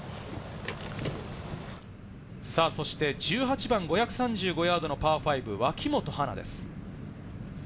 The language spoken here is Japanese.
そして１８番５３５ヤードのパー５、脇元華です。